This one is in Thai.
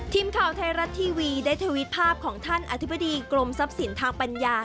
ทีมข่าวไทยรัฐทีวีได้ทวิตภาพของท่านอธิบดีกรมทรัพย์สินทางปัญญา